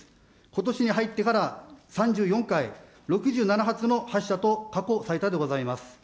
ことしに入ってから３４回、６７発の発射と、過去最多でございます。